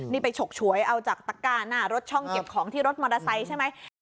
นี่ไปฉกฉวยเอาจากตะก้าหน้ารถช่องเก็บของที่รถมอเตอร์ไซค์ใช่ไหม